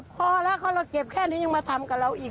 พอแล้วพอเราเก็บแค่นี้ยังมาทำกับเราอีก